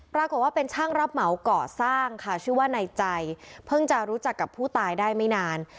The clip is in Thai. ปรากฏว่าเป็นช่างรับเหมาก่อสร้างค่ะชื่อว่าในใจเพิ่งจะรู้จักกับผู้ตายได้ไม่นาน